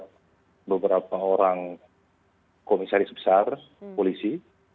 kita memilih oleh beberapa orang komisaris besar polisi